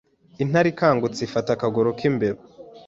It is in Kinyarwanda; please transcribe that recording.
Intare ikangutse ifata akaguru k'imbeba